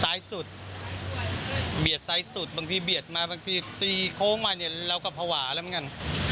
ซ้ายสุดเบียดซ้ายสุดบางทีเบียดมาบางทีตีโค้งมาเนี่ยเราก็ภาวะแล้วเหมือนกัน